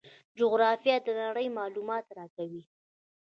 جغرافیه د نړۍ معلومات راکوي.